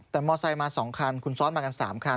แต่มอไซค์มา๒คันคุณซ้อนมากัน๓คัน